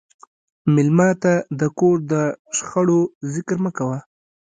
مېلمه ته د کور د شخړو ذکر مه کوه.